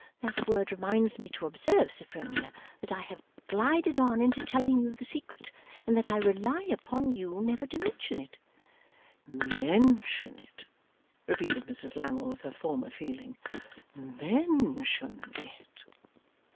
That word reminds me to observe, Sophronia, that I have glided on into telling you the secret, and that I rely upon you never to mention it.' 'Mention it!' repeated Mrs Lammle with her former feeling. 'Men tion it!